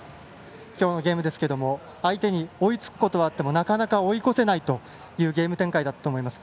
今日のゲームですけども相手に追いつくことはあってもなかなか追い越せないというゲーム展開だったと思います。